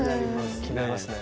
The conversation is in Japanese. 気になりますね。